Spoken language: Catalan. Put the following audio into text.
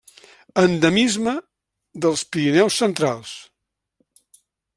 Endemisme dels Pirineus centrals.